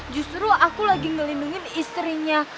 justru aku lagi ngelindungi istrinya